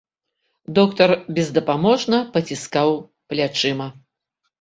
Доктар бездапаможна паціскаў плячыма.